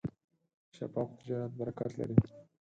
شفاف تجارت برکت لري.